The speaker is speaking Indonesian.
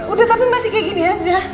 udah tapi masih kayak gini aja